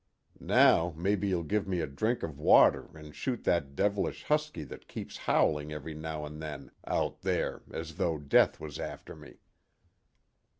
Now mebbe you'll give me a drink of water and shoot that devilish huskie that keeps howling every now and then out there as though death was after me."